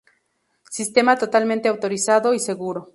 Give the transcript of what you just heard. Sistema totalmente automatizado y seguro.